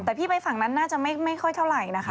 แต่พี่ไปฝั่งนั้นน่าจะไม่ค่อยเท่าไหร่นะคะ